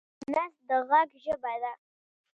غول د نس د غږ ژبه ده.